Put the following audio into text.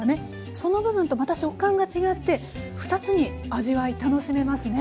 その部分とまた食感が違って２つに味わい楽しめますね。